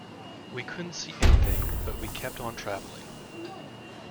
We couldn't see anything but we kept on travelling.